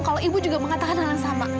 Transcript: kalau ibu juga mengatakan hal yang sama